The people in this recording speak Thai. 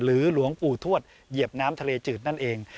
หลวงปู่ทวดเหยียบน้ำทะเลจืดนั่นเอง